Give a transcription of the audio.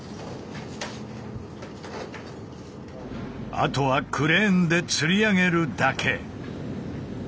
あとはクレーンで吊り上げるだけ。